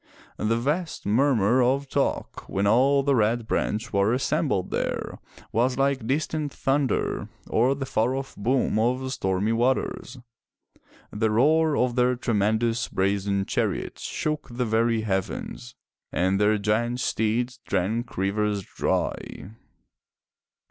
The vast murmur of talk when all the Red Branch were assembled there, was like distant thunder, or the far off boom of stormy waters; the roar of their tremendous brazen chariots shook the very heavens, and their giant steeds drank rivers dry.